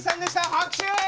拍手！